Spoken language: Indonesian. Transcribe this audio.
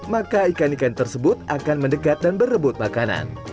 maka ikan ikan tersebut akan mendekat dan berebut makanan